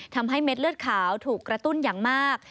ทำให้เม็ดเลือดขาวถูกกระตุ้นอย่างมาก